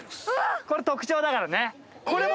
これ、特徴だからね。